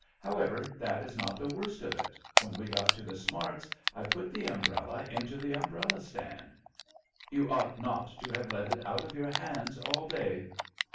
* However, that is not the worst of it. When we got to the Smarts I put the umbrella into the umbrella stand." A RAINY DAY. 131 " You ought not to have let it out of your hands all day."